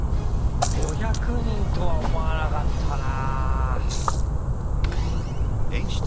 ５００人とは思わなかったな！